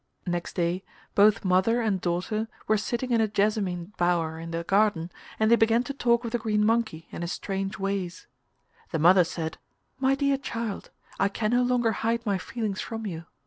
Next day both mother and daughter were sitting in a jessamine bower in the garden, and they began to talk of the green monkey and his strange ways. The mother said, 'My dear child, I can no longer hide my feelings from you.